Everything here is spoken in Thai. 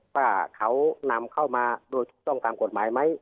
ว่าเขานำเข้ามาโดยถูกต้องตามกฎหมายไหม